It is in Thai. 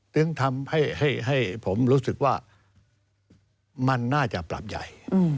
จึงทำให้ผมรู้สึกว่ามันน่าจะปรับใหญ่